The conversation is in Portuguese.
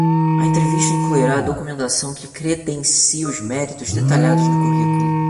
A entrevista incluirá a documentação que credencia os méritos detalhados no currículo.